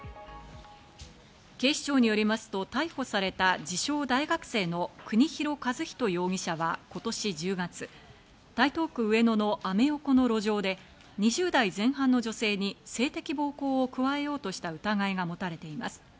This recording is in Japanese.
警視庁によりますと逮捕された自称大学生の国広一仁容疑者は今年１０月、台東区上野のアメ横の路上で、２０代前半の女性に性的暴行を加えようとした疑いが持たれています。